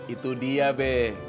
itu dia be